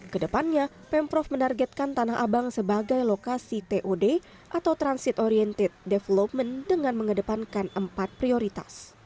kedepannya pemprov menargetkan tanah abang sebagai lokasi tod atau transit oriented development dengan mengedepankan empat prioritas